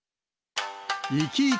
いきいき